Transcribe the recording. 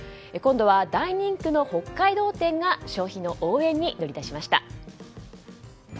今度は大人気の北海道展が消費の応援に乗り出しました。